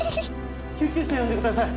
救急車呼んでください